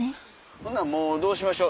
ほんならもうどうしましょう？